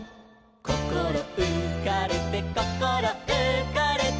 「こころうかれてこころうかれて」